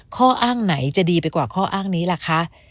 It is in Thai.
ข้ออ้างไหนจะดีไปกว่าข้ออ้างนี้ล่ะคะ